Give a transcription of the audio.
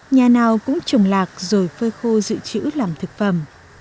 nhà nào cũng trồng lạc rồi phơi khô dự trữ làm thực phẩm